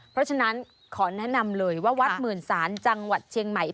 เพราะฉะนั้นขอแนะนำเลยว่าวัดหมื่นศาลจังหวัดเชียงใหม่